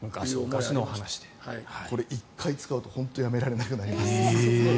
これ、１回使うと本当にやめられなくなります。